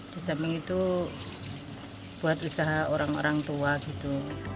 di samping itu buat usaha orang orang tua gitu